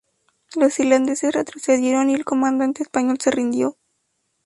Los irlandeses retrocedieron y el comandante español se rindió.